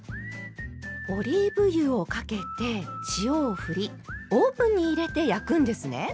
オリーブ油をかけて塩をふりオーブンに入れて焼くんですね。